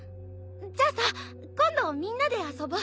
じゃあさ今度みんなで遊ぼ？